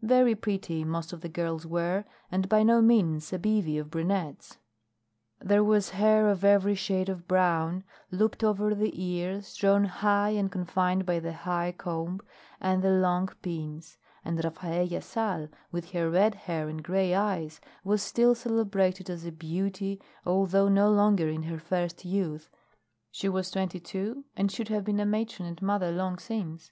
Very pretty most of the girls were, and by no means a bevy of brunettes. There was hair of every shade of brown, looped over the ears, drawn high and confined by the high comb and the long pins; and Rafaella Sal, with her red hair and gray eyes, was still celebrated as a beauty, although no longer in her first youth she was twenty two, and should have been a matron and mother long since!